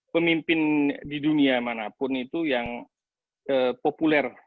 pemimpin di dunia manapun itu yang populer